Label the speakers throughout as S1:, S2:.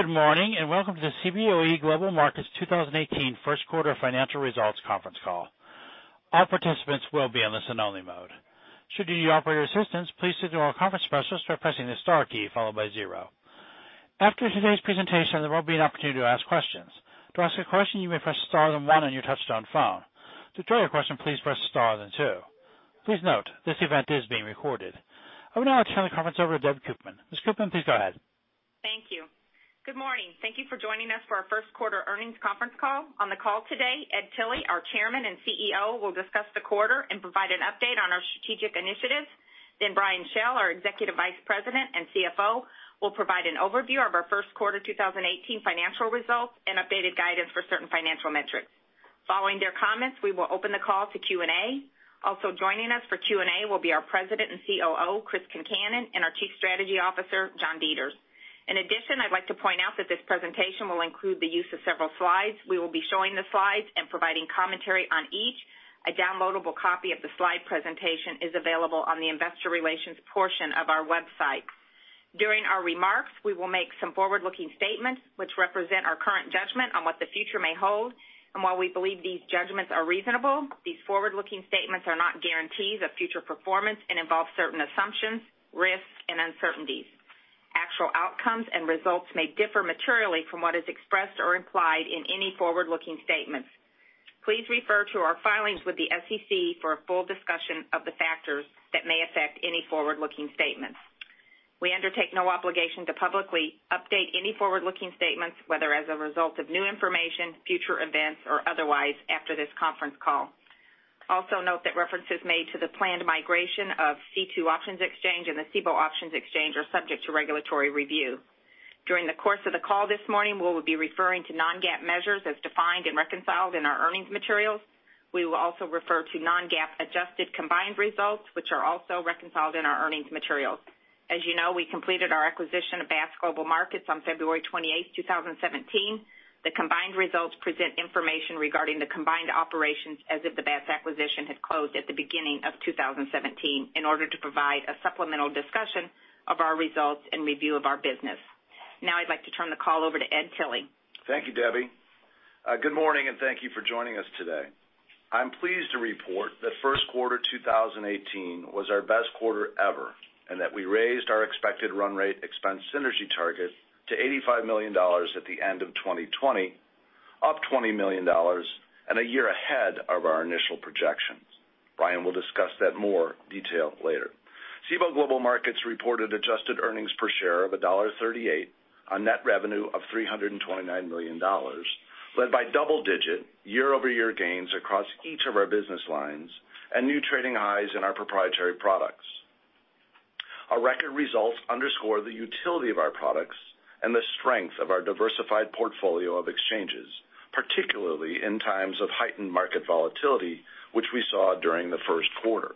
S1: Good morning, welcome to the Cboe Global Markets 2018 first quarter financial results conference call. All participants will be in listen only mode. Should you need operator assistance, please signal to our conference specialist by pressing the star key followed by 0. After today's presentation, there will be an opportunity to ask questions. To ask a question, you may press star then one on your touchtone phone. To withdraw your question, please press star then two. Please note, this event is being recorded. I will now turn the conference over to Debbie Koopman. Ms. Koopman, please go ahead.
S2: Thank you. Good morning. Thank you for joining us for our first quarter earnings conference call. On the call today, Ed Tilly, our Chairman and CEO, will discuss the quarter and provide an update on our strategic initiatives. Brian Schell, our Executive Vice President and CFO, will provide an overview of our first quarter 2018 financial results and updated guidance for certain financial metrics. Following their comments, we will open the call to Q&A. Also joining us for Q&A will be our President and COO, Chris Concannon, and our Chief Strategy Officer, John Deters. I'd like to point out that this presentation will include the use of several slides. We will be showing the slides and providing commentary on each. A downloadable copy of the slide presentation is available on the investor relations portion of our website. During our remarks, we will make some forward-looking statements which represent our current judgment on what the future may hold, and while we believe these judgments are reasonable, these forward-looking statements are not guarantees of future performance and involve certain assumptions, risks, and uncertainties. Actual outcomes and results may differ materially from what is expressed or implied in any forward-looking statements. Please refer to our filings with the SEC for a full discussion of the factors that may affect any forward-looking statements. We undertake no obligation to publicly update any forward-looking statements, whether as a result of new information, future events, or otherwise after this conference call. Also note that references made to the planned migration of C2 Options Exchange and the Cboe Options Exchange are subject to regulatory review. During the course of the call this morning, we will be referring to non-GAAP measures as defined and reconciled in our earnings materials. We will also refer to non-GAAP adjusted combined results, which are also reconciled in our earnings materials. As you know, we completed our acquisition of BATS Global Markets on February 28, 2017. The combined results present information regarding the combined operations as if the BATS acquisition had closed at the beginning of 2017 in order to provide a supplemental discussion of our results and review of our business. I'd like to turn the call over to Ed Tilly.
S3: Thank you, Debbie. Good morning, and thank you for joining us today. I'm pleased to report that first quarter 2018 was our best quarter ever and that we raised our expected run rate expense synergy target to $85 million at the end of 2020, up $20 million and a year ahead of our initial projections. Brian will discuss that in more detail later. Cboe Global Markets reported adjusted earnings per share of $1.38 on net revenue of $329 million, led by double-digit year-over-year gains across each of our business lines and new trading highs in our proprietary products. Our record results underscore the utility of our products and the strength of our diversified portfolio of exchanges, particularly in times of heightened market volatility, which we saw during the first quarter.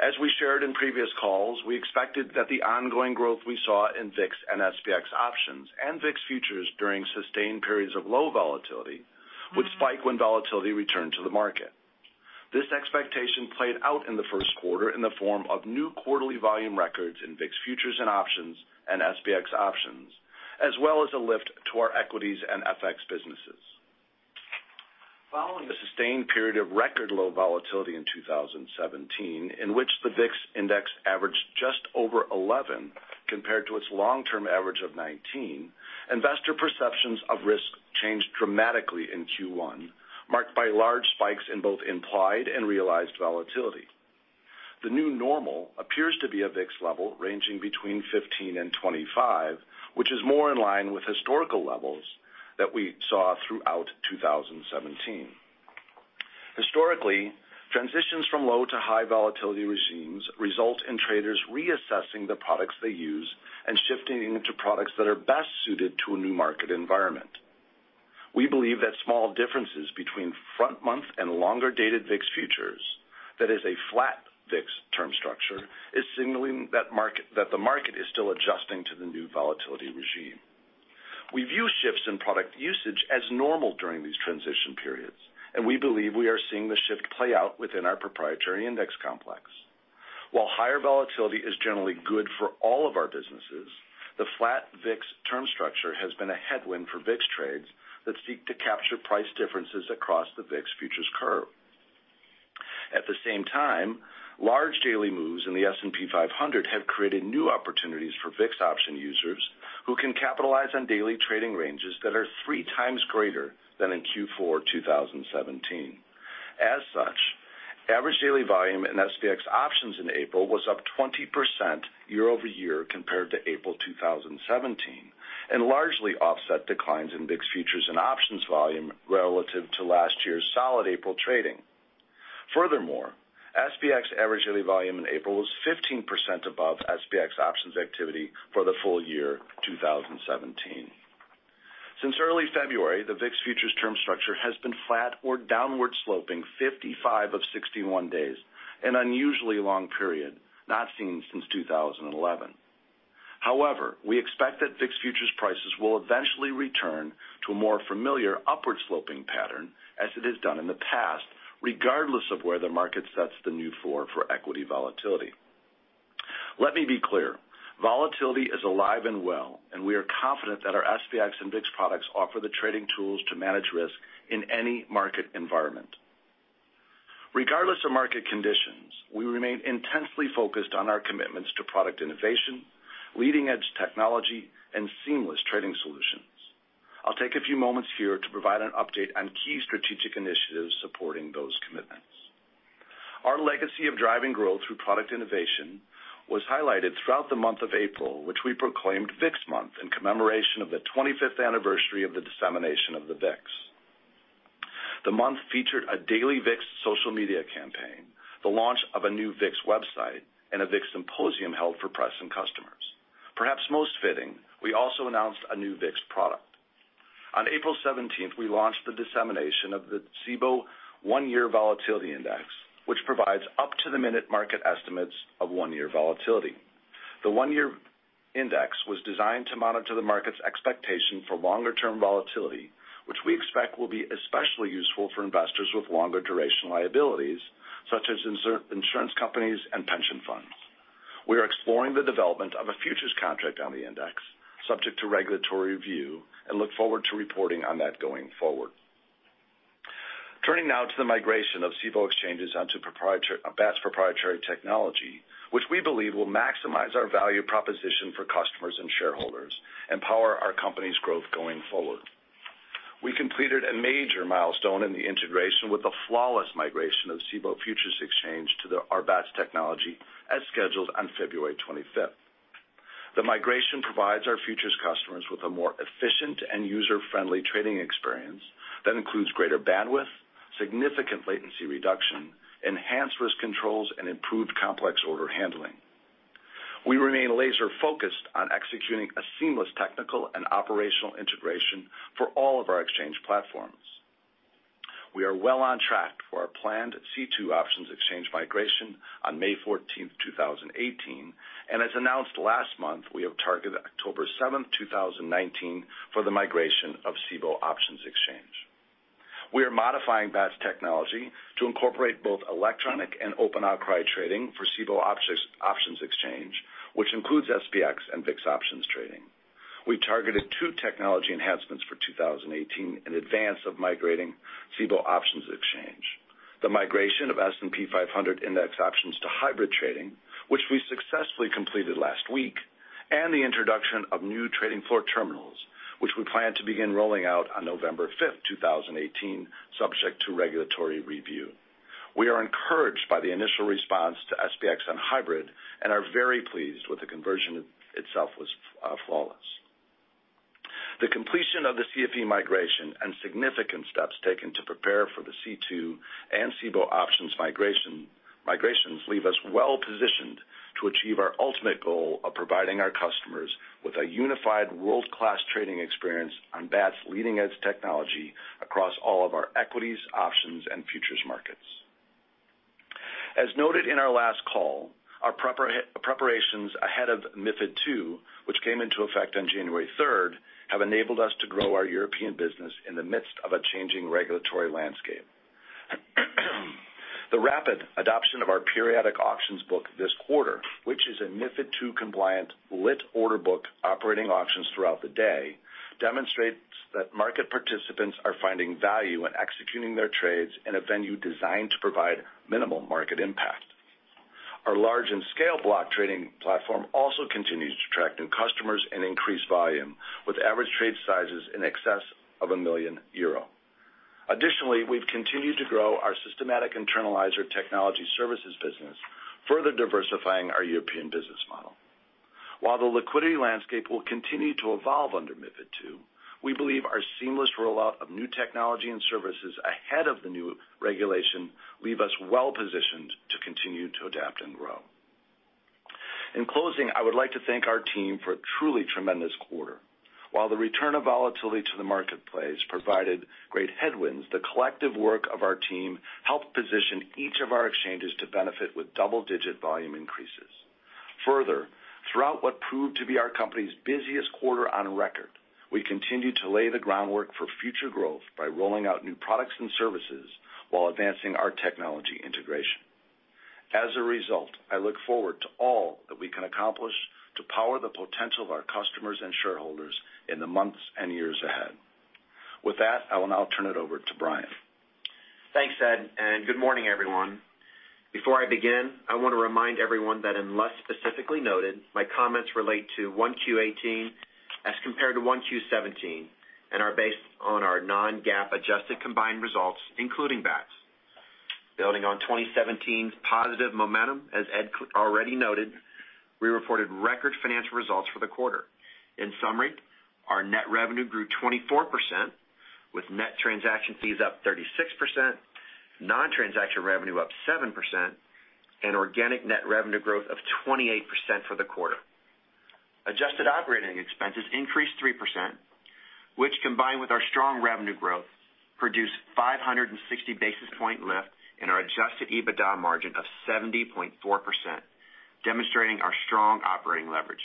S3: As we shared in previous calls, we expected that the ongoing growth we saw in VIX and SPX options and VIX futures during sustained periods of low volatility would spike when volatility returned to the market. This expectation played out in the first quarter in the form of new quarterly volume records in VIX futures and options and SPX options, as well as a lift to our equities and FX businesses. Following a sustained period of record low volatility in 2017, in which the VIX Index averaged just over 11 compared to its long-term average of 19, investor perceptions of risk changed dramatically in Q1, marked by large spikes in both implied and realized volatility. The new normal appears to be a VIX level ranging between 15 and 25, which is more in line with historical levels that we saw throughout 2017. Historically, transitions from low to high volatility regimes result in traders reassessing the products they use and shifting into products that are best suited to a new market environment. We believe that small differences between front-month and longer-dated VIX futures, that is a flat VIX term structure, is signaling that the market is still adjusting to the new volatility regime. We view shifts in product usage as normal during these transition periods, and we believe we are seeing the shift play out within our proprietary index complex. While higher volatility is generally good for all of our businesses, the flat VIX term structure has been a headwind for VIX trades that seek to capture price differences across the VIX futures curve. At the same time, large daily moves in the S&P 500 have created new opportunities for VIX options users who can capitalize on daily trading ranges that are three times greater than in Q4 2017. As such, average daily volume in SPX options in April was up 20% year-over-year compared to April 2017 and largely offset declines in VIX futures and options volume relative to last year's solid April trading. Furthermore, SPX average daily volume in April was 15% above SPX options activity for the full year 2017. Since early February, the VIX futures term structure has been flat or downward sloping 55 of 61 days, an unusually long period not seen since 2011. However, we expect that VIX futures prices will eventually return to a more familiar upward sloping pattern as it has done in the past, regardless of where the market sets the new forward for equity volatility. Let me be clear. Volatility is alive and well, and we are confident that our SPX and VIX products offer the trading tools to manage risk in any market environment. Regardless of market conditions, we remain intensely focused on our commitments to product innovation, leading-edge technology, and seamless trading solutions. I'll take a few moments here to provide an update on key strategic initiatives supporting those commitments. Our legacy of driving growth through product innovation was highlighted throughout the month of April, which we proclaimed VIX month in commemoration of the 25th anniversary of the dissemination of the VIX. The month featured a daily VIX social media campaign, the launch of a new VIX website, and a VIX symposium held for press and customers. Perhaps most fitting, we also announced a new VIX product. On April 17th, we launched the dissemination of the Cboe One-Year Volatility Index, which provides up-to-the-minute market estimates of one-year volatility. The One-Year Index was designed to monitor the market's expectation for longer-term volatility, which we expect will be especially useful for investors with longer duration liabilities, such as insurance companies and pension funds. We are exploring the development of a futures contract on the index, subject to regulatory review, and look forward to reporting on that going forward. Turning now to the migration of Cboe exchanges onto Bats technology, which we believe will maximize our value proposition for customers and shareholders and power our company's growth going forward. We completed a major milestone in the integration with the flawless migration of the Cboe Futures Exchange to our Bats technology as scheduled on February 25th. The migration provides our futures customers with a more efficient and user-friendly trading experience that includes greater bandwidth, significant latency reduction, enhanced risk controls, and improved complex order handling. We remain laser-focused on executing a seamless technical and operational integration for all of our exchange platforms. We are well on track for our planned C2 Options Exchange migration on May 14th, 2018, and as announced last month, we have targeted October 7th, 2019, for the migration of Cboe Options Exchange. We are modifying Bats technology to incorporate both electronic and open outcry trading for Cboe Options Exchange, which includes SPX and VIX options trading. We targeted two technology enhancements for 2018 in advance of migrating Cboe Options Exchange. The migration of S&P 500 index options to hybrid trading, which we successfully completed last week, and the introduction of new trading floor terminals, which we plan to begin rolling out on November 5th, 2018, subject to regulatory review. We are encouraged by the initial response to SPX on hybrid and are very pleased with the conversion itself was flawless. The completion of the CFE migration and significant steps taken to prepare for the C2 and Cboe Options migrations leave us well positioned to achieve our ultimate goal of providing our customers with a unified world-class trading experience on Bats' leading-edge technology across all of our equities, options, and futures markets. As noted in our last call, our preparations ahead of MiFID II, which came into effect on January 3rd, have enabled us to grow our European business in the midst of a changing regulatory landscape. The rapid adoption of our Cboe Periodic Auctions book this quarter, which is a MiFID II compliant lit order book operating auctions throughout the day, demonstrates that market participants are finding value in executing their trades in a venue designed to provide minimal market impact. Our large-in-scale block trading platform also continues to attract new customers and increase volume, with average trade sizes in excess of 1 million euro. Additionally, we've continued to grow our systematic internalizer technology services business, further diversifying our European business model. While the liquidity landscape will continue to evolve under MiFID II, we believe our seamless rollout of new technology and services ahead of the new regulation leave us well positioned to continue to adapt and grow. In closing, I would like to thank our team for a truly tremendous quarter. The return of volatility to the marketplace provided great tailwinds, the collective work of our team helped position each of our exchanges to benefit with double-digit volume increases. Throughout what proved to be our company's busiest quarter on record, we continued to lay the groundwork for future growth by rolling out new products and services while advancing our technology integration. I look forward to all that we can accomplish to power the potential of our customers and shareholders in the months and years ahead. With that, I will now turn it over to Brian.
S4: Thanks, Ed, and good morning, everyone. Before I begin, I want to remind everyone that unless specifically noted, my comments relate to 1Q18 as compared to 1Q17 and are based on our non-GAAP adjusted combined results, including Bats. Building on 2017's positive momentum, as Ed already noted, we reported record financial results for the quarter. Our net revenue grew 24%, with net transaction fees up 36%, non-transaction revenue up 7%, and organic net revenue growth of 28% for the quarter. Adjusted operating expenses increased 3%, which combined with our strong revenue growth, produced a 560 basis point lift in our adjusted EBITDA margin of 70.4%, demonstrating our strong operating leverage.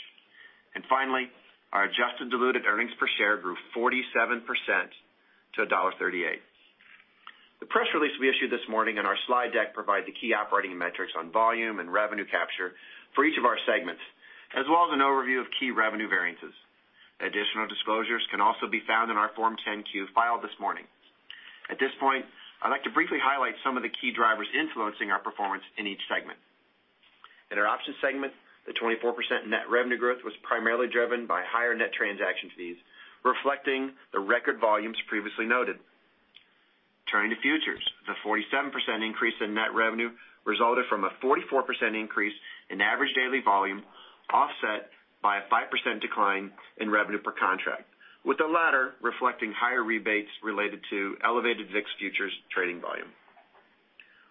S4: Our adjusted diluted earnings per share grew 47% to $1.38. The press release we issued this morning and our slide deck provide the key operating metrics on volume and revenue capture for each of our segments, as well as an overview of key revenue variances. Additional disclosures can also be found in our Form 10Q filed this morning. I'd like to briefly highlight some of the key drivers influencing our performance in each segment. The 24% net revenue growth was primarily driven by higher net transaction fees, reflecting the record volumes previously noted. The 47% increase in net revenue resulted from a 44% increase in average daily volume, offset by a 5% decline in revenue per contract, with the latter reflecting higher rebates related to elevated VIX futures trading volume.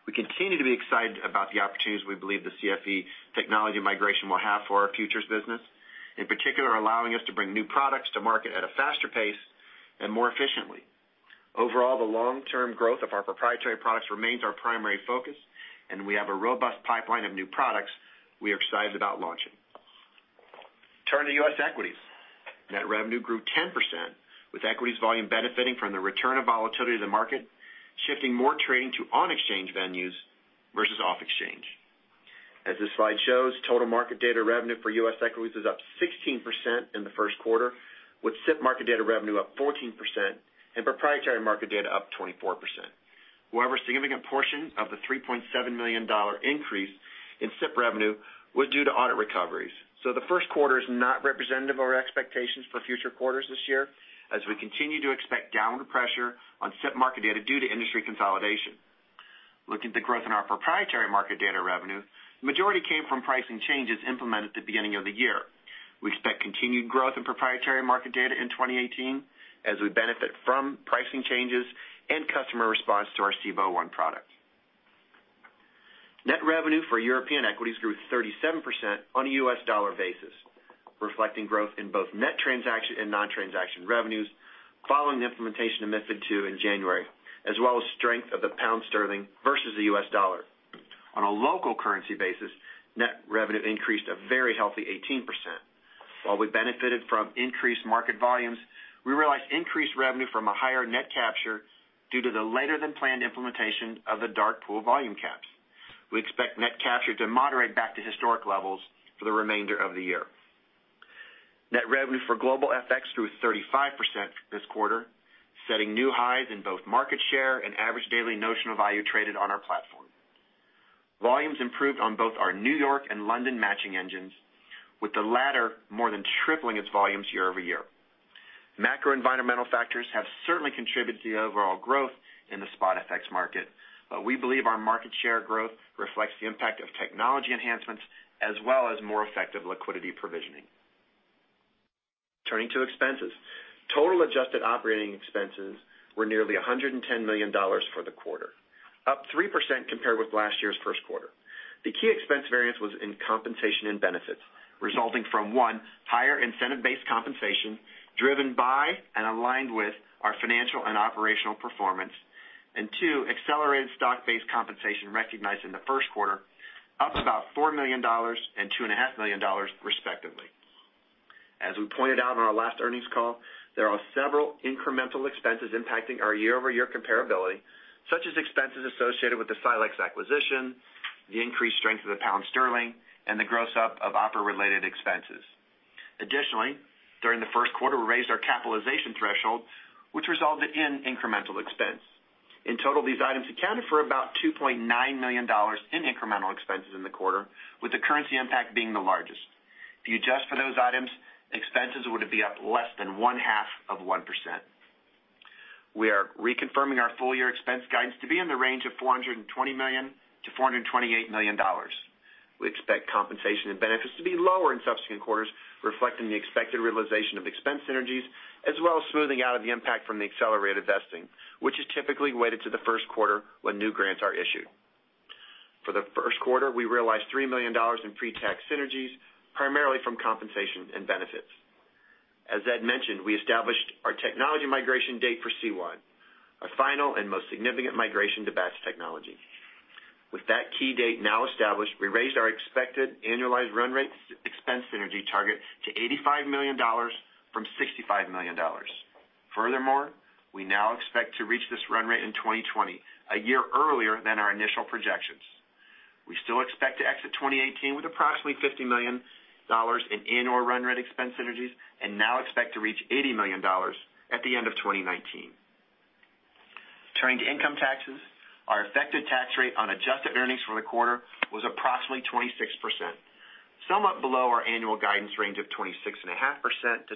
S4: We continue to be excited about the opportunities we believe the CFE technology migration will have for our futures business, in particular, allowing us to bring new products to market at a faster pace and more efficiently. Overall, the long-term growth of our proprietary products remains our primary focus, and we have a robust pipeline of new products we are excited about launching. Turning to US equities. Net revenue grew 10%, with equities volume benefiting from the return of volatility to the market, shifting more trading to on-exchange venues versus off-exchange. As this slide shows, total market data revenue for US equities is up 16% in the first quarter, with SIP market data revenue up 14% and proprietary market data up 24%. However, a significant portion of the $3.7 million increase in SIP revenue was due to audit recoveries. The first quarter is not representative of our expectations for future quarters this year, as we continue to expect downward pressure on SIP market data due to industry consolidation. Looking at the growth in our proprietary market data revenue, the majority came from pricing changes implemented at the beginning of the year. We expect continued growth in proprietary market data in 2018 as we benefit from pricing changes and customer response to our Cboe One product. Net revenue for European equities grew 37% on a US dollar basis, reflecting growth in both net transaction and non-transaction revenues following the implementation of MiFID II in January, as well as strength of the pound sterling versus the US dollar. On a local currency basis, net revenue increased a very healthy 18%. While we benefited from increased market volumes, we realized increased revenue from a higher net capture due to the later-than-planned implementation of the dark pool volume caps. We expect net capture to moderate back to historic levels for the remainder of the year. Net revenue for global FX grew 35% this quarter, setting new highs in both market share and average daily notional value traded on our platform. Volumes improved on both our New York and London matching engines, with the latter more than tripling its volumes year-over-year. Macroenvironmental factors have certainly contributed to the overall growth in the spot FX market, but we believe our market share growth reflects the impact of technology enhancements as well as more effective liquidity provisioning. Turning to expenses. Total adjusted operating expenses were nearly $110 million for the quarter, up 3% compared with last year's first quarter. The key expense variance was in compensation and benefits, resulting from, one, higher incentive-based compensation driven by and aligned with our financial and operational performance, and two, accelerated stock-based compensation recognized in the first quarter, up about $4 million and $2.5 million respectively. As we pointed out on our last earnings call, there are several incremental expenses impacting our year-over-year comparability, such as expenses associated with the Silexx acquisition, the increased strength of the pound sterling, and the gross up of OpEx-related expenses. Additionally, during the first quarter, we raised our capitalization threshold, which resulted in incremental expense. In total, these items accounted for about $2.9 million in incremental expenses in the quarter, with the currency impact being the largest. If you adjust for those items, expenses would be up less than one-half of 1%. We are reconfirming our full-year expense guidance to be in the range of $420 million to $428 million. We expect compensation and benefits to be lower in subsequent quarters, reflecting the expected realization of expense synergies as well as smoothing out of the impact from the accelerated vesting, which is typically weighted to the first quarter when new grants are issued. For the first quarter, we realized $3 million in pre-tax synergies, primarily from compensation and benefits. As Ed mentioned, we established our technology migration date for C1, our final and most significant migration to Bats technology. With that key date now established, we raised our expected annualized run rate expense synergy target to $85 million from $65 million. Furthermore, we now expect to reach this run rate in 2020, a year earlier than our initial projections. We still expect to exit 2018 with approximately $50 million in annual run rate expense synergies and now expect to reach $80 million at the end of 2019. Turning to income taxes. Our effective tax rate on adjusted earnings for the quarter was approximately 26%, somewhat below our annual guidance range of 26.5%-28.5%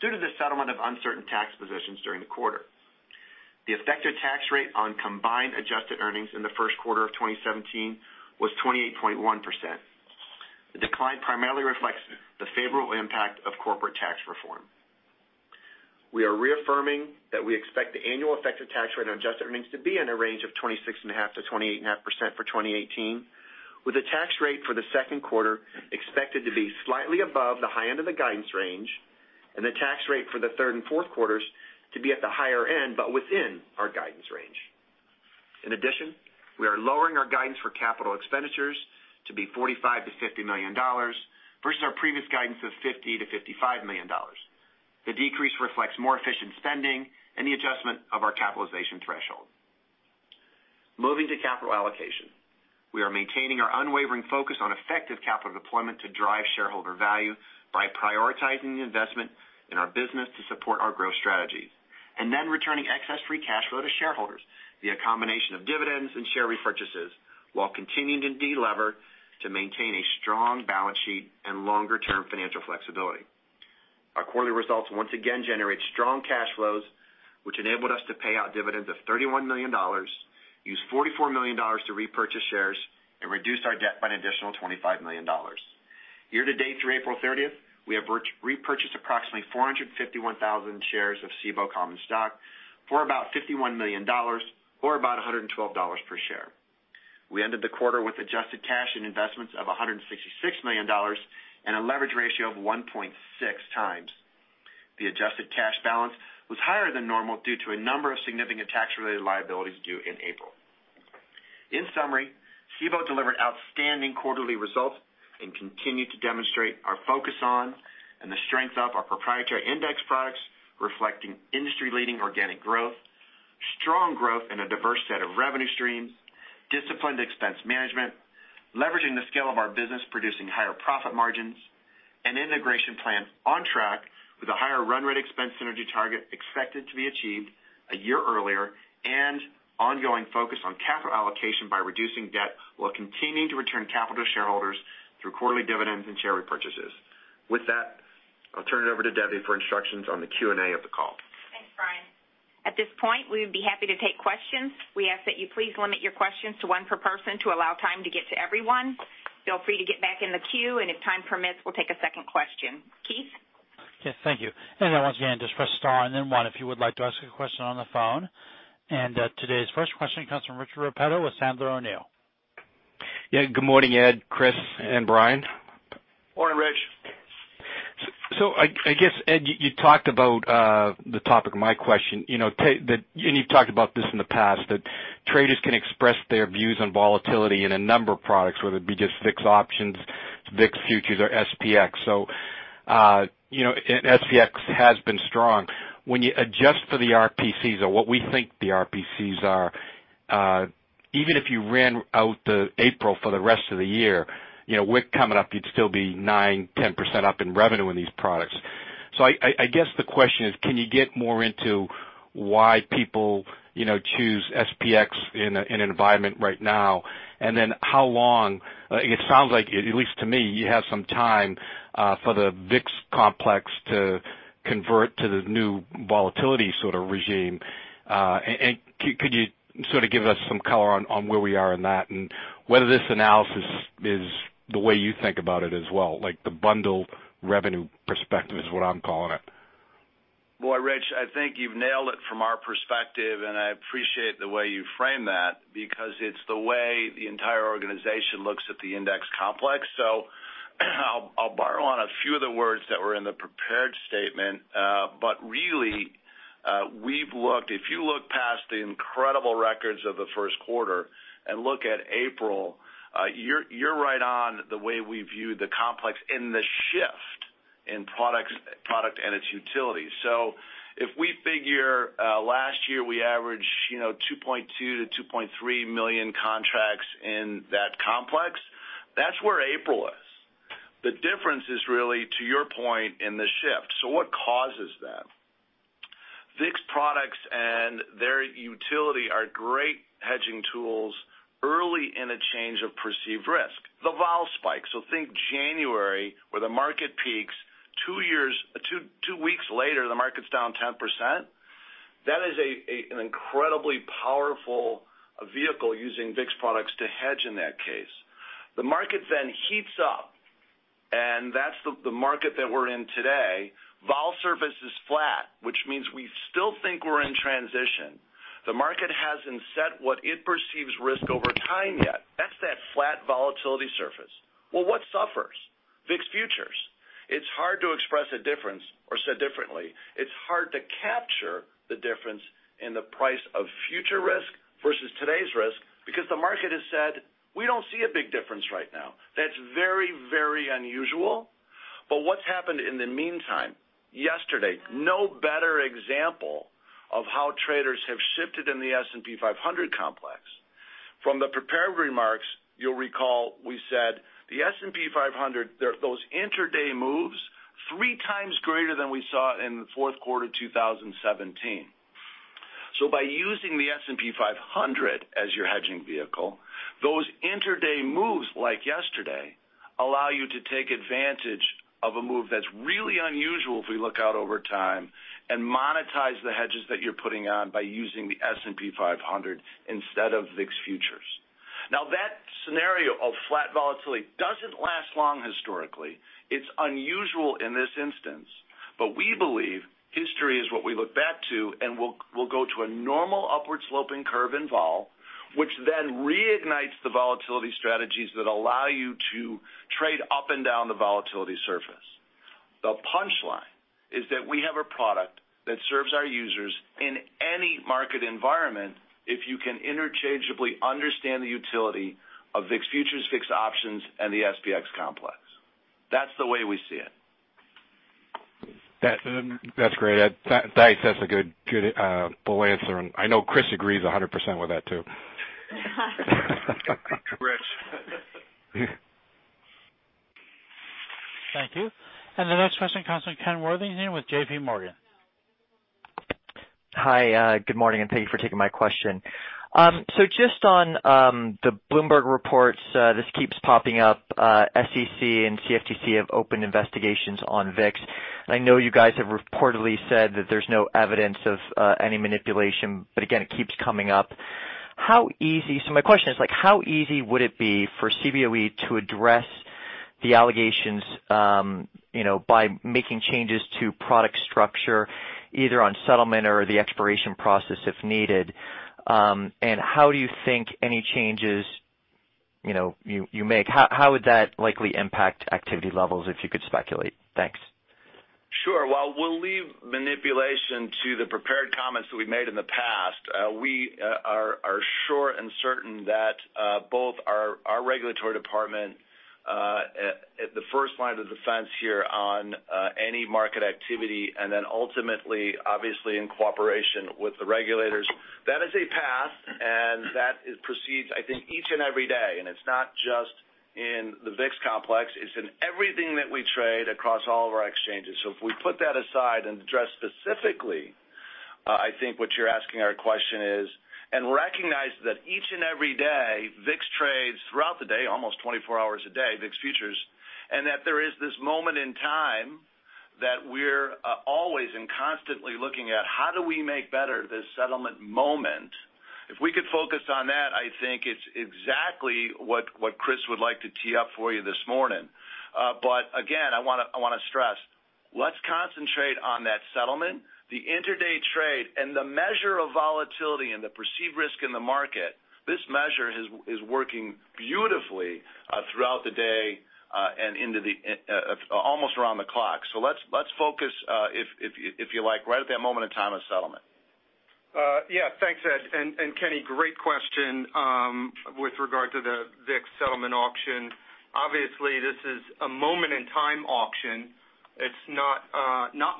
S4: due to the settlement of uncertain tax positions during the quarter. The effective tax rate on combined adjusted earnings in the first quarter of 2017 was 28.1%. The decline primarily reflects the favorable impact of corporate tax reform. We are reaffirming that we expect the annual effective tax rate on adjusted earnings to be in a range of 26.5%-28.5% for 2018, with the tax rate for the second quarter expected to be slightly above the high end of the guidance range and the tax rate for the third and fourth quarters to be at the higher end, but within our guidance range. In addition, we are lowering our guidance for capital expenditures to be $45 million-$50 million versus our previous guidance of $50 million-$55 million. The decrease reflects more efficient spending and the adjustment of our capitalization threshold. Moving to capital allocation, we are maintaining our unwavering focus on effective capital deployment to drive shareholder value by prioritizing the investment in our business to support our growth strategies, returning excess free cash flow to shareholders via a combination of dividends and share repurchases while continuing to de-lever to maintain a strong balance sheet and longer-term financial flexibility. Our quarterly results once again generate strong cash flows, which enabled us to pay out dividends of $31 million, use $44 million to repurchase shares, and reduce our debt by an additional $25 million. Year-to-date through April 30th, we have repurchased approximately 451,000 shares of Cboe common stock for about $51 million or about $112 per share. We ended the quarter with adjusted cash and investments of $166 million and a leverage ratio of 1.6 times. The adjusted cash balance was higher than normal due to a number of significant tax-related liabilities due in April. In summary, Cboe delivered outstanding quarterly results and continued to demonstrate our focus on and the strength of our proprietary index products reflecting industry-leading organic growth, strong growth in a diverse set of revenue streams, disciplined expense management, leveraging the scale of our business, producing higher profit margins, an integration plan on track with a higher run rate expense synergy target expected to be achieved a year earlier, and ongoing focus on capital allocation by reducing debt while continuing to return capital to shareholders through quarterly dividends and share repurchases. With that, I'll turn it over to Debbie for instructions on the Q&A of the call.
S2: Thanks, Brian. At this point, we would be happy to take questions. We ask that you please limit your questions to one per person to allow time to get to everyone. Feel free to get back in the queue. If time permits, we'll take a second question. Kenny?
S1: Yes, thank you. Once again, just press star and then one if you would like to ask a question on the phone. Today's first question comes from Richard Repetto with Sandler O'Neill.
S5: Yeah, good morning, Ed, Chris, and Brian.
S4: Morning, Rich.
S5: I guess, Ed, you talked about the topic of my question. You've talked about this in the past, that traders can express their views on volatility in a number of products, whether it be just VIX options, VIX futures, or SPX. SPX has been strong. When you adjust for the RPCs or what we think the RPCs are, even if you ran out the April for the rest of the year, VIX coming up, you would still be 9%-10% up in revenue in these products. I guess the question is, can you get more into why people choose SPX in an environment right now? And then how long? It sounds like, at least to me, you have some time for the VIX complex to convert to the new volatility sort of regime. Could you sort of give us some color on where we are in that and whether this analysis is the way you think about it as well, like the bundle revenue perspective is what I'm calling it?
S3: Well, Rich, I think you've nailed it from our perspective, and I appreciate the way you frame that because it's the way the entire organization looks at the index complex. Really, if you look past the incredible records of the first quarter and look at April, you're right on the way we view the complex and the shift in product and its utility. If we figure, last year we averaged 2.2 million-2.3 million contracts in that complex, that's where April is. The difference is really to your point in the shift. What causes that? VIX products and their utility are great hedging tools early in a change of perceived risk. The vol spike. Think January, where the market peaks. Two weeks later, the market's down 10%.
S4: That is an incredibly powerful vehicle using VIX products to hedge in that case. The market then heats up, and that's the market that we're in today. vol surface is flat, which means we still think we're in transition. The market hasn't set what it perceives risk over time yet. That's that flat volatility surface. Well, what suffers? VIX futures. It's hard to express a difference, or said differently, it's hard to capture the difference in the price of future risk versus today's risk because the market has said, "We don't see a big difference right now." That's very, very unusual. What's happened in the meantime? Yesterday, no better example of how traders have shifted in the S&P 500 complex. From the prepared remarks, you'll recall we said the S&P 500, those inter-day moves, three times greater than we saw in the fourth quarter 2017. By using the S&P 500 as your hedging vehicle, those inter-day moves like yesterday allow you to take advantage of a move that's really unusual if we look out over time and monetize the hedges that you're putting on by using the S&P 500 instead of VIX futures. That scenario of flat volatility doesn't last long historically. It's unusual in this instance, we believe history is what we look back to, and we'll go to a normal upward-sloping curve in vol, which then reignites the volatility strategies that allow you to trade up and down the volatility surface.
S3: The punchline is that we have a product that serves our users in any market environment if you can interchangeably understand the utility of VIX futures, VIX options, and the SPX complex. That's the way we see it.
S5: That's great. That's a good, full answer. I know Chris agrees 100% with that too.
S3: Thanks, Chris.
S1: Thank you. The next question comes from Kenneth Worthington with JPMorgan.
S6: Just on the Bloomberg reports, this keeps popping up, SEC and CFTC have opened investigations on VIX. I know you guys have reportedly said that there's no evidence of any manipulation, but again, it keeps coming up. My question is how easy would it be for Cboe to address the allegations by making changes to product structure, either on settlement or the expiration process if needed? How do you think any changes you make, how would that likely impact activity levels, if you could speculate? Thanks.
S3: Sure. While we'll leave manipulation to the prepared comments that we've made in the past, we are sure and certain that both our regulatory department at the first line of defense here on any market activity, and then ultimately, obviously in cooperation with the regulators, that is a path, and that it proceeds, I think, each and every day. It's not just in the VIX complex, it's in everything that we trade across all of our exchanges. If we put that aside and address specifically, I think what you're asking our question is, and recognize that each and every day, VIX trades throughout the day, almost 24 hours a day, VIX futures, and that there is this moment in time that we're always and constantly looking at how do we make better this settlement moment. If we could focus on that, I think it's exactly what Chris would like to tee up for you this morning. Again, I want to stress, let's concentrate on that settlement, the inter-day trade, and the measure of volatility and the perceived risk in the market. This measure is working beautifully throughout the day and almost around the clock. Let's focus, if you like, right at that moment in time of settlement.
S7: Yeah. Thanks, Ed. Kenny, great question with regard to the VIX settlement auction. Obviously, this is a moment-in-time auction. It's not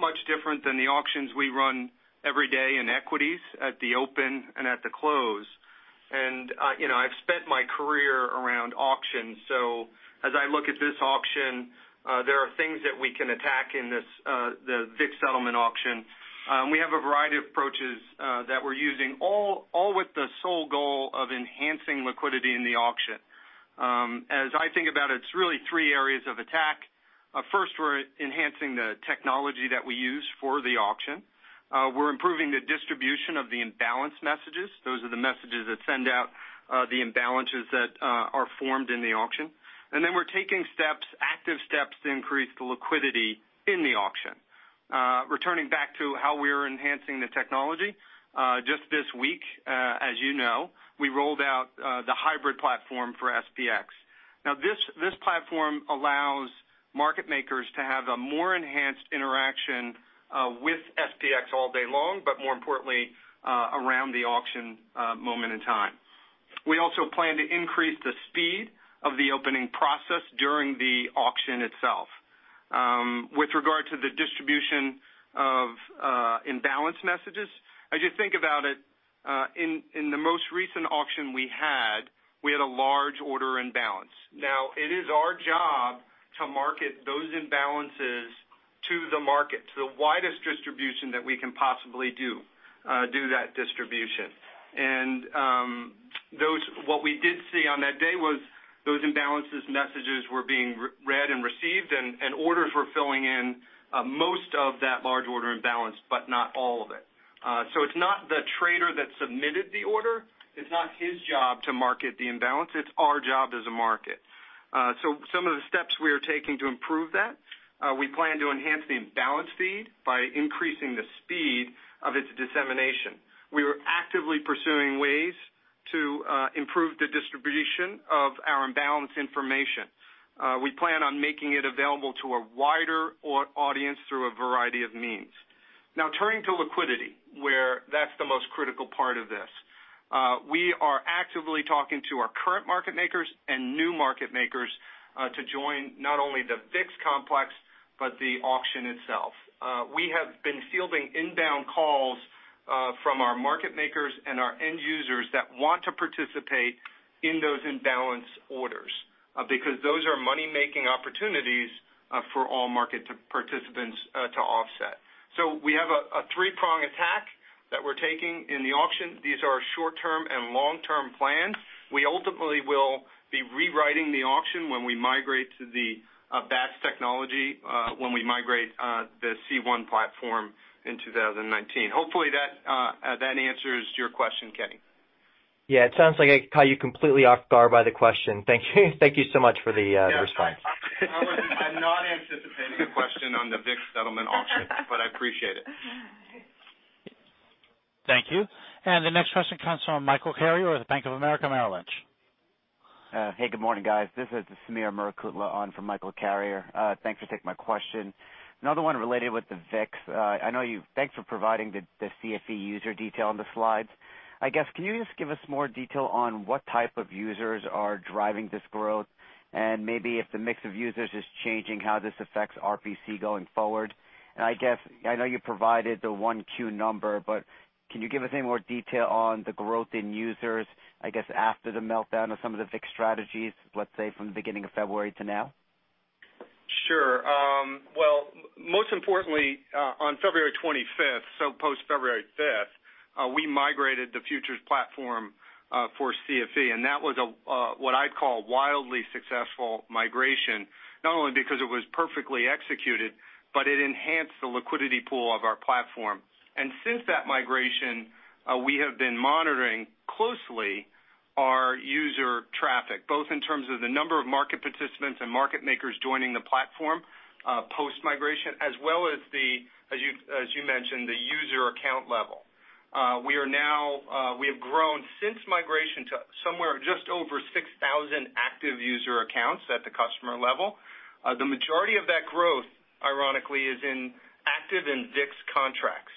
S7: much different than the auctions we run every day in equities at the open and at the close. I've spent my career around auctions, as I look at this auction, there are things that we can attack in the VIX settlement auction. We have a variety of approaches that we're using, all with the sole goal of enhancing liquidity in the auction. As I think about it's really three areas of attack. First, we're enhancing the technology that we use for the auction. We're improving the distribution of the imbalance messages. Those are the messages that send out the imbalances that are formed in the auction. Then we're taking active steps to increase the liquidity in the auction. Returning back to how we're enhancing the technology, just this week, as you know, we rolled out the hybrid platform for SPX. This platform allows market makers to have a more enhanced interaction with SPX all day long, but more importantly around the auction moment in time. We also plan to increase the speed of the opening process during the auction itself. With regard to the distribution of imbalance messages, as you think about it, in the most recent auction we had, we had a large order imbalance. It is our job to market those imbalances to the market, to the widest distribution that we can possibly do that distribution. What we did see on that day was those imbalances messages were being read and received, and orders were filling in most of that large order imbalance, but not all of it. It's not the trader that submitted the order. It's not his job to market the imbalance. It's our job as a market. Some of the steps we are taking to improve that, we plan to enhance the imbalance feed by increasing the speed of its dissemination. We are actively pursuing ways to improve the distribution of our imbalance information. We plan on making it available to a wider audience through a variety of means. Turning to liquidity, where that's the most critical part of this. We are actively talking to our current market makers and new market makers to join not only the VIX complex, but the auction itself. We have been fielding inbound calls from our market makers and our end users that want to participate in those imbalance orders because those are money-making opportunities for all market participants to offset. We have a three-prong attack that we're taking in the auction. These are short-term and long-term plans. We ultimately will be rewriting the auction when we migrate to the Bats technology, when we migrate the C1 platform in 2019. Hopefully that answers your question, Kenny.
S6: Yeah, it sounds like I caught you completely off guard by the question. Thank you so much for the response.
S7: I was not anticipating a question on the VIX settlement auction, but I appreciate it.
S1: Thank you. The next question comes from Michael Carrier with Bank of America Merrill Lynch.
S8: Hey, good morning, guys. This is Sameer Murukutla on for Michael Carrier. Thanks for taking my question. Another one related with the VIX. Thanks for providing the CFE user detail on the slides. Can you just give us more detail on what type of users are driving this growth, and maybe if the mix of users is changing, how this affects RPC going forward? I know you provided the 1Q number, but can you give us any more detail on the growth in users, I guess, after the meltdown of some of the VIX strategies, let's say, from the beginning of February to now?
S7: Sure. Well, most importantly, on February 25th, so post-February 5th, we migrated the futures platform, for CFE, and that was what I'd call wildly successful migration, not only because it was perfectly executed, but it enhanced the liquidity pool of our platform. Since that migration, we have been monitoring closely our user traffic, both in terms of the number of market participants and market makers joining the platform post-migration, as well as you mentioned, the user account level. We have grown since migration to somewhere just over 6,000 active user accounts at the customer level. The majority of that growth, ironically, is in active and VIX contracts.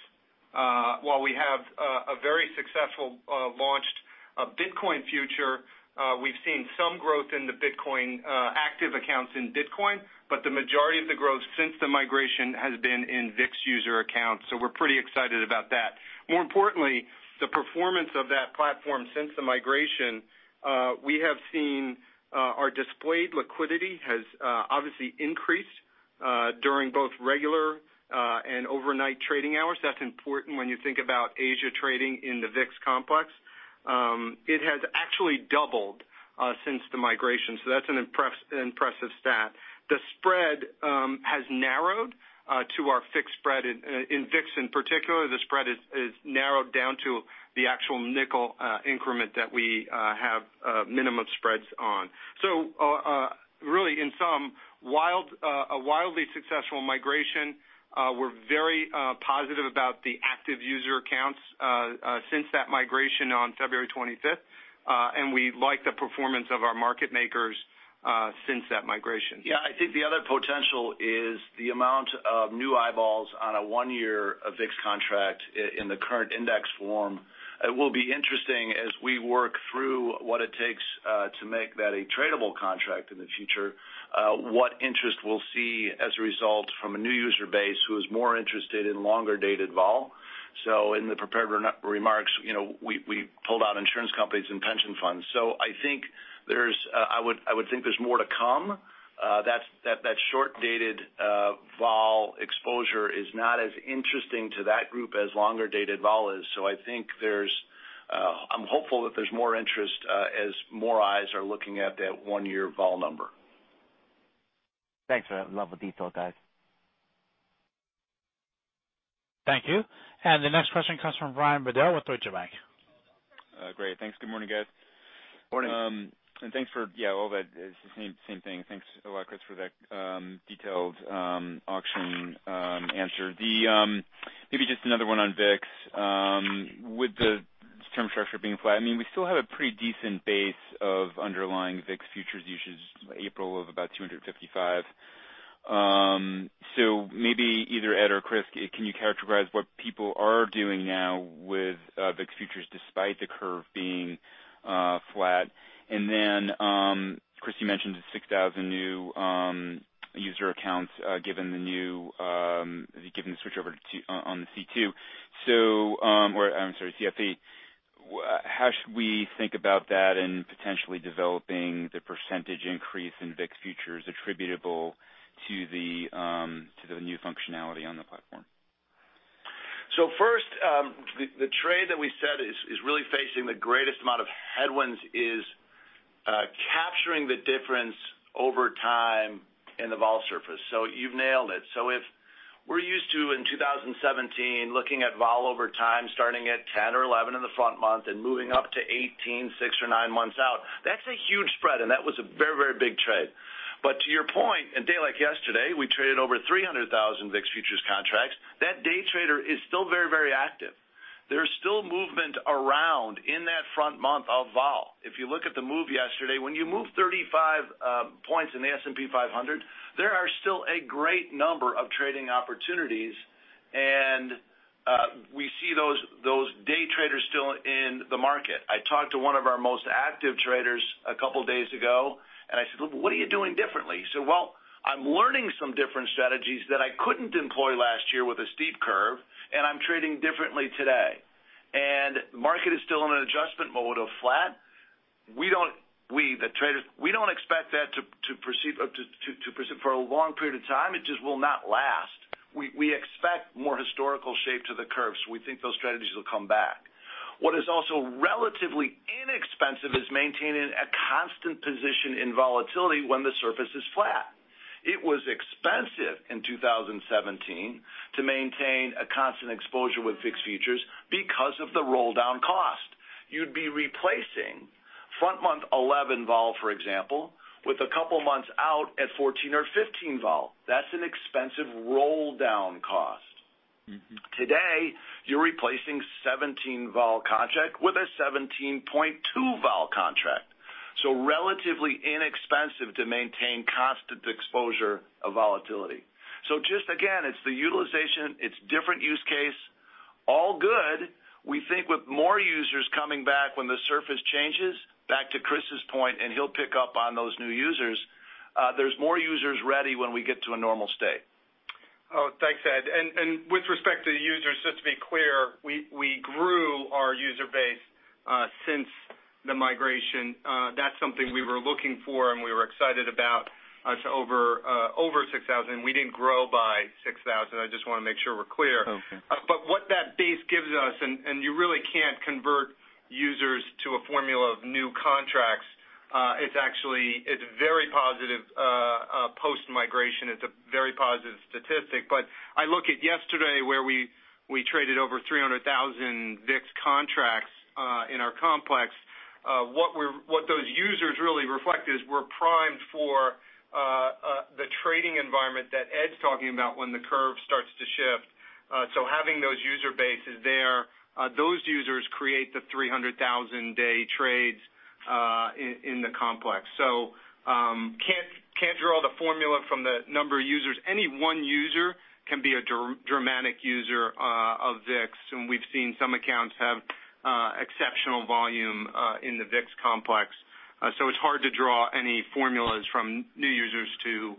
S7: While we have a very successful launch of Bitcoin Futures, we've seen some growth in the Bitcoin active accounts in Bitcoin, but the majority of the growth since the migration has been in VIX user accounts. We're pretty excited about that. More importantly, the performance of that platform since the migration, we have seen our displayed liquidity has obviously increased during both regular and overnight trading hours. That's important when you think about Asia trading in the VIX complex. It has actually doubled since the migration. That's an impressive stat. The spread has narrowed to our fixed spread. In VIX in particular, the spread has narrowed down to the actual nickel increment that we have minimum spreads on. Really, in sum, a wildly successful migration. We're very positive about the active user accounts since that migration on February 25th. We like the performance of our market makers since that migration.
S3: Yeah, I think the other potential is the amount of new eyeballs on a one-year VIX contract in the current index form. It will be interesting as we work through what it takes to make that a tradable contract in the future, what interest we'll see as a result from a new user base who is more interested in longer-dated vol. In the prepared remarks, we pulled out insurance companies and pension funds. I would think there's more to come. That short-dated vol exposure is not as interesting to that group as longer-dated vol is. I'm hopeful that there's more interest as more eyes are looking at that one-year vol number.
S8: Thanks for that level of detail, guys.
S1: Thank you. The next question comes from Brian Bedell with Deutsche Bank.
S9: Great. Thanks. Good morning, guys.
S7: Morning.
S9: Thanks for, yeah, all that. It's the same thing. Thanks a lot, Chris, for that detailed auction answer. Maybe just another one on VIX. With the term structure being flat, I mean, we still have a pretty decent base of underlying VIX futures usage, April of about 255. So maybe either Ed or Chris, can you characterize what people are doing now with VIX futures despite the curve being flat? Chris, you mentioned the 6,000 new user accounts given the switch over on the C2. Or I'm sorry, CFE. How should we think about that in potentially developing the % increase in VIX futures attributable to the new functionality on the platform?
S3: First, the trade that we set is really facing the greatest amount of headwinds is capturing the difference over time in the vol surface. You've nailed it. If we're used to, in 2017, looking at vol over time, starting at 10 or 11 in the front month and moving up to 18, six or nine months out, that's a huge spread, and that was a very, very big trade. To your point, a day like yesterday, we traded over 300,000 VIX futures contracts. That day trader is still very, very active. There's still movement around in that front month of vol. If you look at the move yesterday, when you move 35 points in the S&P 500, there are still a great number of trading opportunities, and we see those day traders still in the market. I talked to one of our most active traders a couple of days ago, and I said, "Look, what are you doing differently?" He said, "Well, I'm learning some different strategies that I couldn't employ last year with a steep curve, and I'm trading differently today." The market is still in an adjustment mode of flat. We, the traders, we don't expect that to proceed for a long period of time. It just will not last. We expect more historical shape to the curve, we think those strategies will come back. What is also relatively inexpensive is maintaining a constant position in volatility when the surface is flat. It was expensive in 2017 to maintain a constant exposure with VIX futures because of the roll down cost by replacing front month 11 vol, for example, with a couple months out at 14 or 15 vol. That's an expensive roll down cost. Today, you're replacing 17 vol contract with a 17.2 vol contract. Relatively inexpensive to maintain constant exposure of volatility. Just again, it's the utilization, it's different use case, all good. We think with more users coming back when the surface changes, back to Chris's point, and he'll pick up on those new users, there's more users ready when we get to a normal state.
S7: Oh, thanks, Ed. With respect to users, just to be clear, we grew our user base since the migration. That's something we were looking for and we were excited about. Over 6,000. We didn't grow by 6,000. I just want to make sure we're clear.
S9: Okay.
S7: What that base gives us, you really can't convert users to a formula of new contracts, it's very positive post-migration. It's a very positive statistic. I look at yesterday where we traded over 300,000 VIX contracts in our complex. What those users really reflect is we're primed for the trading environment that Ed's talking about when the curve starts to shift. Having those user bases there, those users create the 300,000-day trades in the complex. Can't draw the formula from the number of users. Any one user can be a dramatic user of VIX, and we've seen some accounts have exceptional volume in the VIX complex. It's hard to draw any formulas from new users to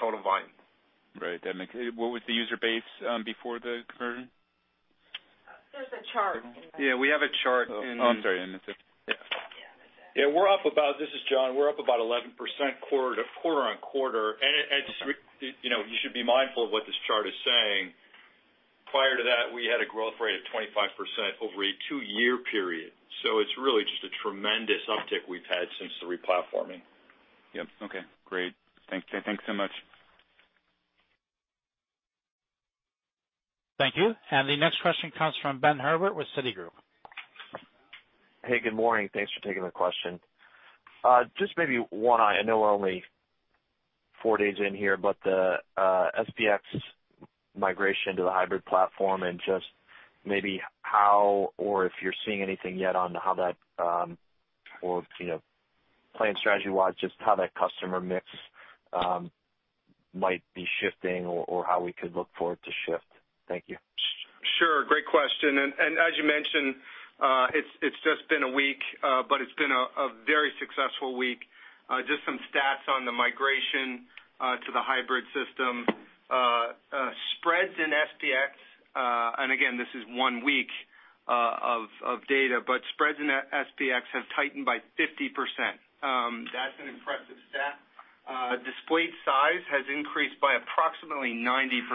S7: total volume.
S9: Right. What was the user base before the conversion?
S7: There's a chart in the- Yeah, we have a chart.
S9: Oh, I'm sorry. I missed it. Yeah.
S10: Yeah, I missed that. Yeah, this is John. We're up about 11% quarter-on-quarter. You should be mindful of what this chart is saying. Prior to that, we had a growth rate of 25% over a two-year period. It's really just a tremendous uptick we've had since the re-platforming.
S9: Yep. Okay. Great. Thanks so much.
S1: Thank you. The next question comes from Benjamin Herbert with Citigroup.
S11: Hey, good morning. Thanks for taking the question. Just maybe one, I know we're only four days in here, but the SPX migration to the hybrid platform and just maybe how or if you're seeing anything yet on how that, or plan strategy-wise, just how that customer mix might be shifting or how we could look forward to shift. Thank you.
S7: Sure. Great question. As you mentioned, it's just been a week, but it's been a very successful week. Just some stats on the migration to the hybrid system. Spreads in SPX, and again, this is one week of data, but spreads in SPX have tightened by 50%. That's an impressive stat. Displayed size has increased by approximately 90%.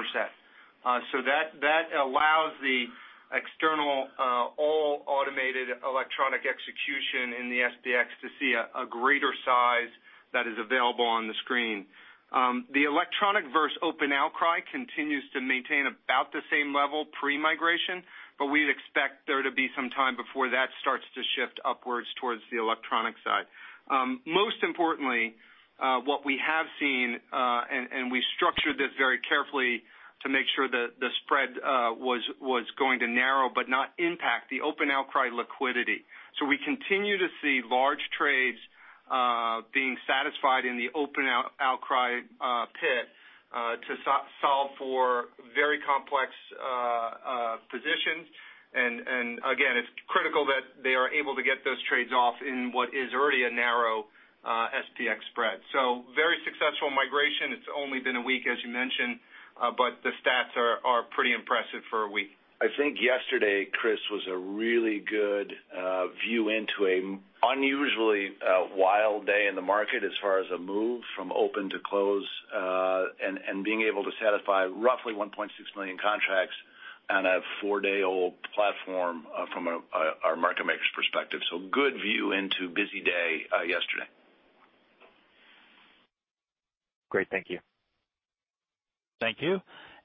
S7: That allows the external all automated electronic execution in the SPX to see a greater size that is available on the screen. The electronic versus open outcry continues to maintain about the same level pre-migration, but we'd expect there to be some time before that starts to shift upwards towards the electronic side. Most importantly, what we have seen, and we structured this very carefully to make sure that the spread was going to narrow but not impact the open outcry liquidity. We continue to see large trades being satisfied in the open outcry pit to solve for very complex positions. Again, it's critical that they are able to get those trades off in what is already a narrow SPX spread. Very successful migration. It's only been a week, as you mentioned, but the stats are pretty impressive for a week.
S3: I think yesterday, Chris, was a really good view into an unusually wild day in the market as far as a move from open to close, and being able to satisfy roughly 1.6 million contracts on a four-day-old platform from our market maker's perspective. Good view into busy day yesterday.
S11: Great. Thank you.
S1: Thank you.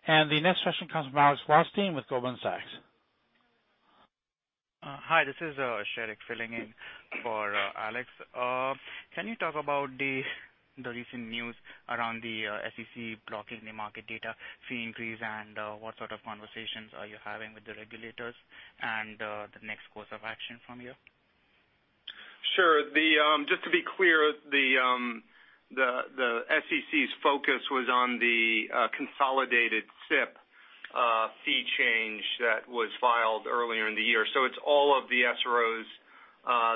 S1: The next question comes from Alex Blostein with Goldman Sachs.
S12: Hi, this is Sherrick filling in for Alex. Can you talk about the recent news around the SEC blocking the market data fee increase, and what sort of conversations are you having with the regulators and the next course of action from you?
S7: Sure. Just to be clear, the SEC's focus was on the consolidated SIP fee change that was filed earlier in the year. It's all of the SROs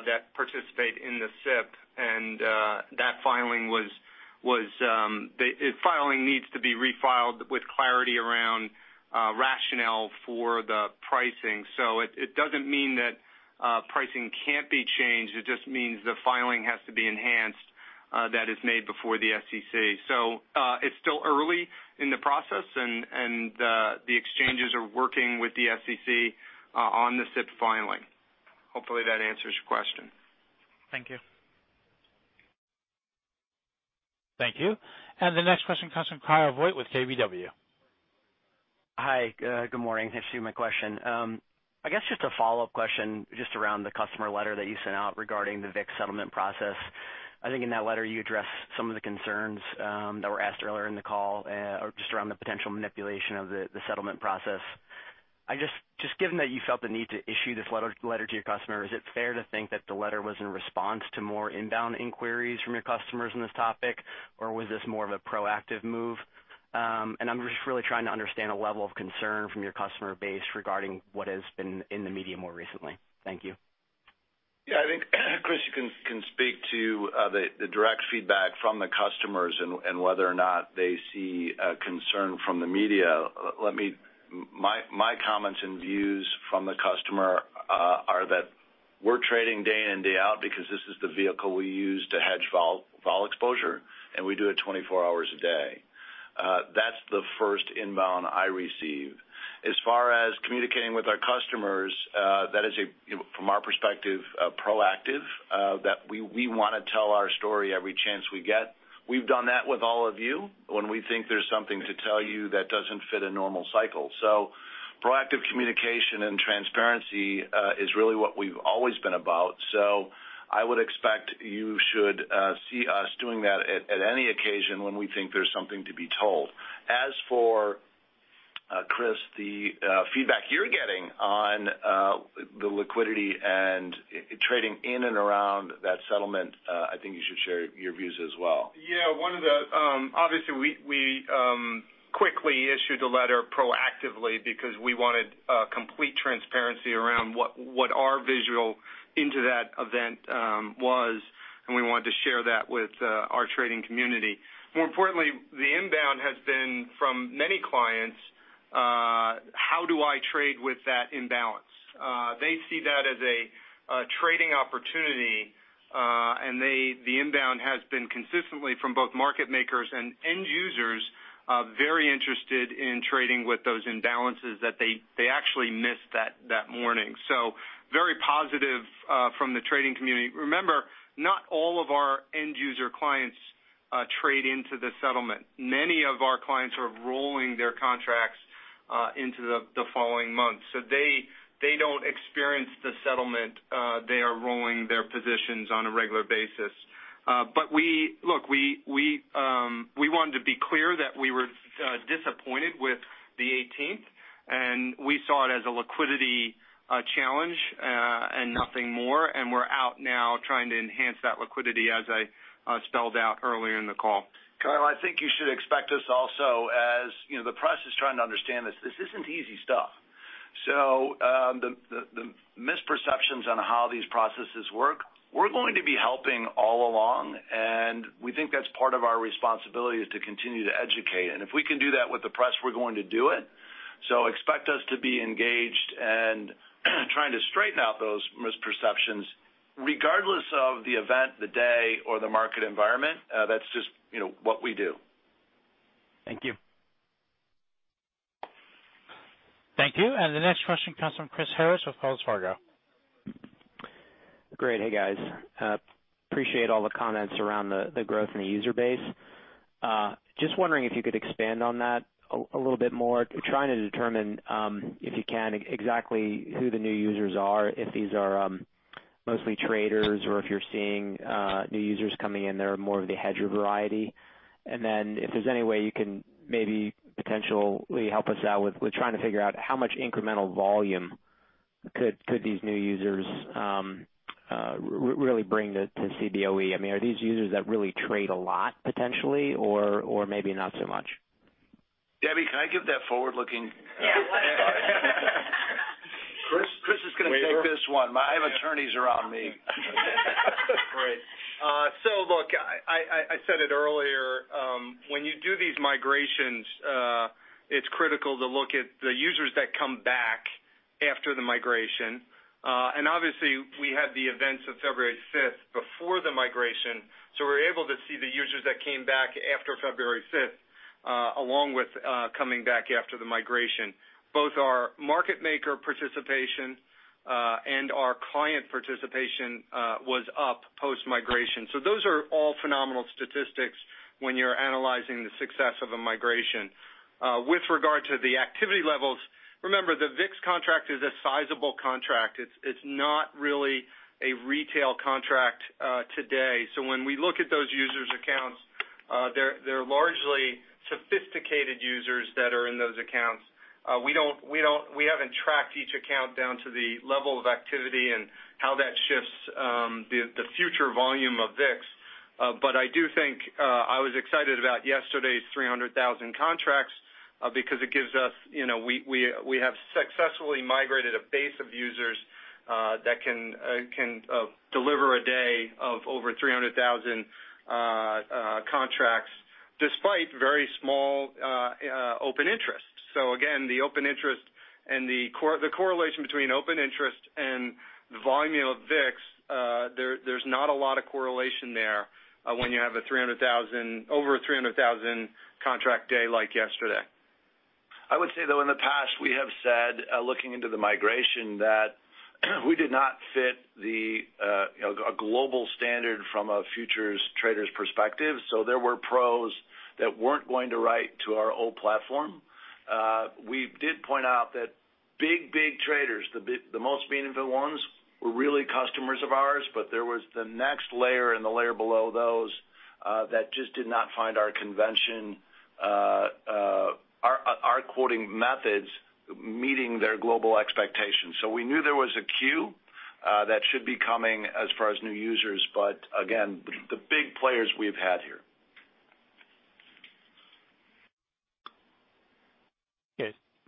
S7: that participate in the SIP and that filing needs to be refiled with clarity around rationale for the pricing. It doesn't mean that pricing can't be changed. It just means the filing has to be enhanced that is made before the SEC. It's still early in the process and the exchanges are working with the SEC on the SIP filing. Hopefully, that answers your question.
S12: Thank you.
S1: Thank you. The next question comes from Kyle Voigt with KBW.
S13: Hi, good morning. Thanks for my question. I guess just a follow-up question just around the customer letter that you sent out regarding the VIX settlement process. I think in that letter, you addressed some of the concerns that were asked earlier in the call, or just around the potential manipulation of the settlement process. Just given that you felt the need to issue this letter to your customer, is it fair to think that the letter was in response to more inbound inquiries from your customers on this topic, or was this more of a proactive move? I'm just really trying to understand a level of concern from your customer base regarding what has been in the media more recently. Thank you.
S3: Yeah, I think Chris can speak to the direct feedback from the customers and whether or not they see a concern from the media. My comments and views from the customer are that we're trading day in and day out because this is the vehicle we use to hedge vol exposure, and we do it 24 hours a day. That's the first inbound I receive. As far as communicating with our customers, that is, from our perspective, proactive, that we want to tell our story every chance we get. We've done that with all of you when we think there's something to tell you that doesn't fit a normal cycle. Proactive communication and transparency is really what we've always been about. I would expect you should see us doing that at any occasion when we think there's something to be told. As for Chris, the feedback you're getting on the liquidity and trading in and around that settlement, I think you should share your views as well.
S7: Yeah. Obviously, we quickly issued the letter proactively because we wanted complete transparency around what our visual into that event was, and we wanted to share that with our trading community. More importantly, the inbound has been from many clients, how do I trade with that imbalance? They see that as a trading opportunity. The inbound has been consistently from both market makers and end users, very interested in trading with those imbalances that they actually missed that morning. Very positive from the trading community. Remember, not all of our end user clients trade into the settlement. Many of our clients are rolling their contracts into the following month. They don't experience the settlement, they are rolling their positions on a regular basis. Look, we wanted to be clear that we were disappointed with the 18th, and we saw it as a liquidity challenge and nothing more, and we're out now trying to enhance that liquidity as I spelled out earlier in the call.
S3: Kyle, I think you should expect us also as the press is trying to understand this isn't easy stuff. The misperceptions on how these processes work, we're going to be helping all along, and we think that's part of our responsibility is to continue to educate. If we can do that with the press, we're going to do it. Expect us to be engaged and trying to straighten out those misperceptions regardless of the event, the day, or the market environment. That's just what we do.
S13: Thank you.
S1: Thank you. The next question comes from Christopher Harris with Wells Fargo.
S14: Great. Hey, guys. Appreciate all the comments around the growth in the user base. Just wondering if you could expand on that a little bit more, trying to determine, if you can, exactly who the new users are, if these are mostly traders or if you're seeing new users coming in that are more of the hedger variety. If there's any way you can maybe potentially help us out with trying to figure out how much incremental volume could these new users really bring to Cboe? Are these users that really trade a lot potentially, or maybe not so much?
S3: Debbie, can I give that forward-looking? Chris is going to take this one. My attorneys are on me.
S7: Great. Look, I said it earlier, when you do these migrations, it's critical to look at the users that come back after the migration. Obviously we had the events of February 5th before the migration, so we were able to see the users that came back after February 5th, along with coming back after the migration. Both our market maker participation, and our client participation was up post-migration. Those are all phenomenal statistics when you're analyzing the success of a migration. With regard to the activity levels, remember, the VIX contract is a sizable contract. It's not really a retail contract today. When we look at those users' accounts, they're largely sophisticated users that are in those accounts. We haven't tracked each account down to the level of activity and how that shifts the future volume of VIX. I do think I was excited about yesterday's 300,000 contracts because We have successfully migrated a base of users that can deliver a day of over 300,000 contracts despite very small open interest. Again, the open interest and the correlation between open interest and the volume of VIX, there's not a lot of correlation there when you have over a 300,000 contract day like yesterday. I would say, though, in the past, we have said, looking into the migration, that we did not fit a global standard from a futures trader's perspective. There were pros that weren't going to write to our old platform. We did point out that big traders, the most meaningful ones, were really customers of ours. There was the next layer and the layer below those that just did not find our convention, our quoting methods, meeting their global expectations. We knew there was a queue that should be coming as far as new users. Again, the big players we've had here.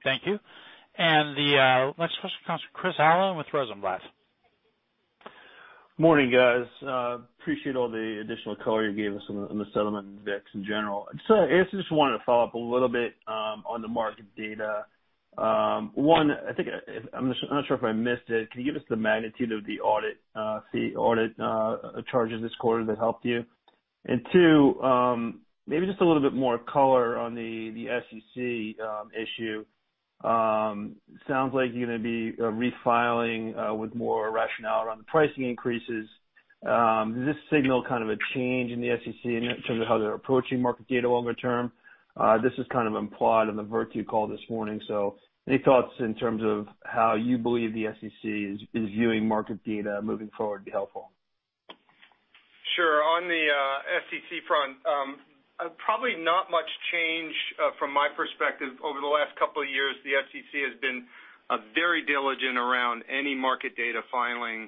S1: Okay. Thank you. The next question comes from Chris Allen with Rosenblatt.
S15: Morning, guys. Appreciate all the additional color you gave us on the settlement index in general. I just wanted to follow up a little bit on the market data. One, I'm not sure if I missed it, can you give us the magnitude of the audit charges this quarter that helped you? Two, maybe just a little bit more color on the SEC issue. Sounds like you're going to be refiling with more rationale around the pricing increases. Does this signal kind of a change in the SEC in terms of how they're approaching market data longer term? This is kind of implied on the Virtu call this morning. Any thoughts in terms of how you believe the SEC is viewing market data moving forward would be helpful.
S7: Sure. On the SEC front, probably not much change from my perspective. Over the last couple of years, the SEC has been very diligent around any market data filing.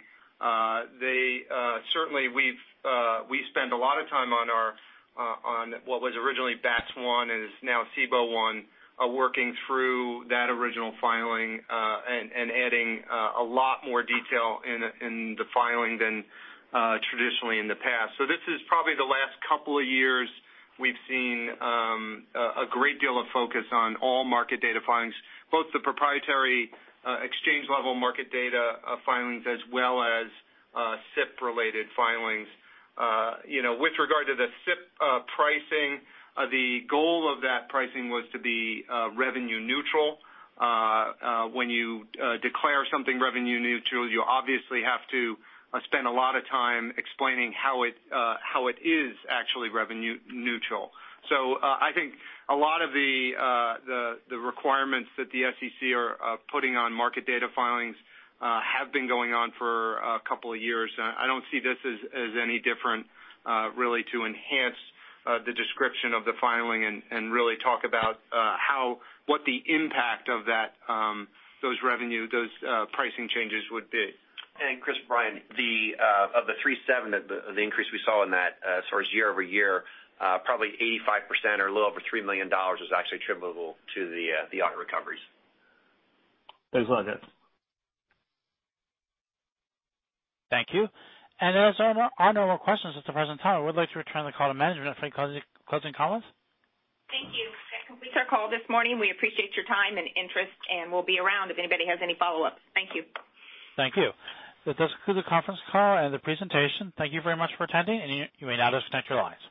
S7: Certainly, we've spent a lot of time on what was originally Bats One and is now Cboe One, working through that original filing and adding a lot more detail in the filing than traditionally in the past. This is probably the last couple of years we've seen a great deal of focus on all market data filings, both the proprietary exchange-level market data filings as well as SIP-related filings. With regard to the SIP pricing, the goal of that pricing was to be revenue neutral. When you declare something revenue neutral, you obviously have to spend a lot of time explaining how it is actually revenue neutral. I think a lot of the requirements that the SEC are putting on market data filings have been going on for a couple of years now. I don't see this as any different, really, to enhance the description of the filing and really talk about what the impact of those pricing changes would be. Chris, Brian, of the three seven, the increase we saw in that as far as year-over-year, probably 85% or a little over $3 million is actually attributable to the audit recoveries.
S15: Thanks a lot, guys.
S1: Thank you. As there are no more questions at the present time, we'd like to return the call to management for any closing comments.
S2: Thank you. That completes our call this morning. We appreciate your time and interest, and we'll be around if anybody has any follow-ups. Thank you.
S1: Thank you. That does conclude the conference call and the presentation. Thank you very much for attending, and you may now disconnect your lines.